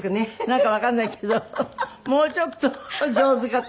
なんかわかんないけどもうちょっと上手かと思って。